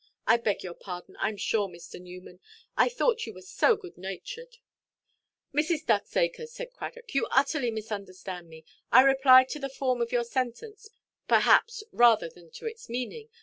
I beg your pardon, Iʼm sure, Mr. Newman; I thought you were so good–natured." "Mrs. Ducksacre," said Cradock, "you utterly misunderstand me. I replied to the form of your sentence, perhaps, rather than to its meaning.